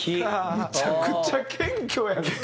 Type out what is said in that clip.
めちゃくちゃ謙虚やんか。